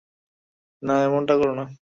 না, এমনটা করোনা।